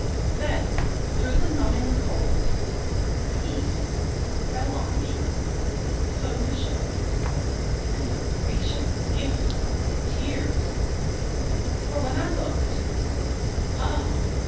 Then through the numbing cold peace fell on me, Submission and the gracious gift of tears, For when I looked, Oh!